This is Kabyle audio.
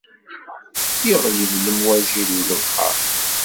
Iɣleb lemwaǧi n lebḥer.